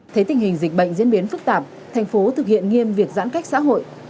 thế tình hình dịch bệnh diễn biến phức tạp thành phố thực hiện nghiêm việc giãn cách xã hội